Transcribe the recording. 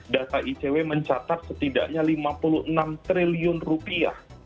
data icw mencatat setidaknya lima puluh enam triliun rupiah